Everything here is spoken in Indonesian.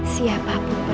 siapapun pernah menemuan